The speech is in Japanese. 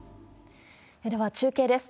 では、中継です。